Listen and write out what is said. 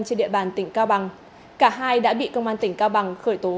trên địa bàn tỉnh cao bằng cả hai đã bị công an tỉnh cao bằng khởi tố